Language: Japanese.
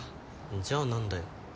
じゃあ何だよ。